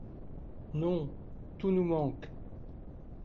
Non ! tout nous manque !